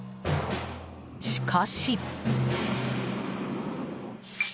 しかし。